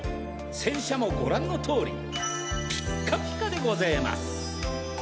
洗車も御覧の通りピッカピカでごぜぇます！